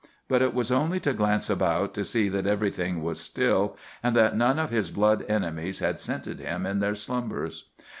But it was only to glance about to see that everything was still, and that none of his blood enemies had scented him in their slumbers.